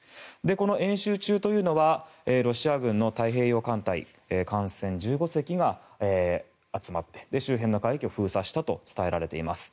この演習中というのはロシア軍の太平洋艦隊艦船１５隻が集まって周辺の海域を封鎖したと伝えられています。